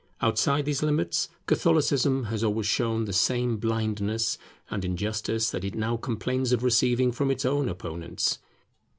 Outside these limits, Catholicism has always shown the same blindness and injustice that it now complains of receiving from its own opponents.